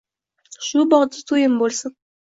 Shu bog‘da to‘yim bo‘lsin